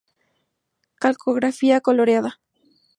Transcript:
Calcografía coloreada.